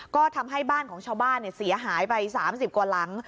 ก็ทำให้บ้านของชาวบ้านเสียหายไป๓๐กว่าหลัง